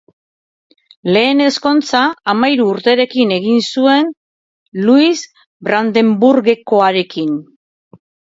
Lehen ezkontza hamahiru urterekin egin zuen, Luis Brandenburgekoarekin.